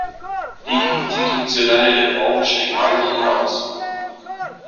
Die institutionelle Reform steht weiterhin aus.